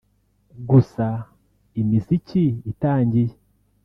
gusa imiziki itangiye